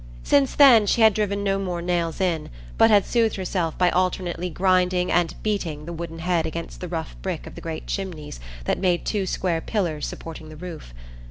Since then she had driven no more nails in, but had soothed herself by alternately grinding and beating the wooden head against the rough brick of the great chimneys that made two square pillars supporting the roof.